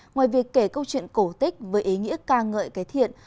ngoài việc kể câu chuyện cổ tích với ý nghĩa ca ngợi cái thiện